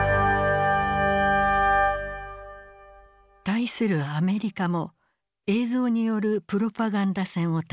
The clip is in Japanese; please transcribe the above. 対するアメリカも映像によるプロパガンダ戦を戦う。